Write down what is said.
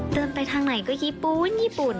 เดินไปทางไหนก็ญี่ปุ่นญี่ปุ่น